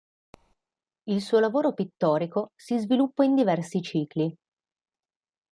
Il suo lavoro pittorico si sviluppa in diversi cicli.